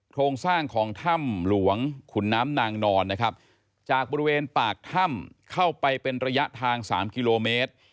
โครงสร้างของถ้ำหลวงขุนน้ำนางนอนนะครับจากบริเวณปากถ้ำเข้าไปเป็นระยะทาง๓กิโลเมตร